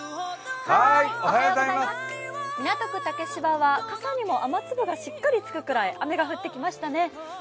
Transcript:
港区竹芝は傘にも雨粒がしっかりつくくらい雨が降ってきましたね。